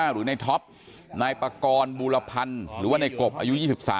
หรือในท็อปนายปากรบูรพันธ์หรือว่าในกบอายุ๒๓